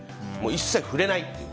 一切触れないっていう。